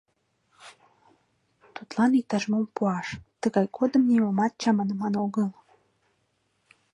Тудлан иктаж-мом пуаш, тыгай годым нимомат чаманыман огыл.